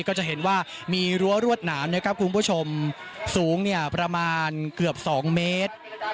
ก็จะเห็นว่ามีรั้วรวดหนามนะครับคุณผู้ชมสูงประมาณเกือบ๒เมตร